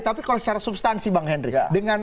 tapi kalau secara substansi bang henry